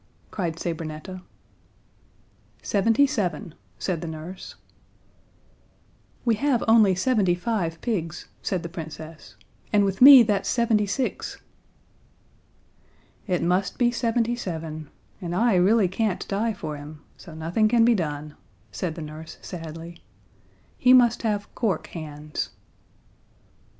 cried Sabrinetta. "Seventy seven," said the nurse. "We have only seventy five pigs," said the Princess, "and with me that's seventy six!" "It must be seventy seven and I really can't die for him, so nothing can be done," said the nurse, sadly. "He must have cork hands."